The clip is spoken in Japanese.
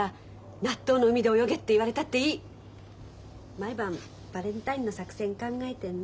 毎晩バレンタインの作戦考えてんの。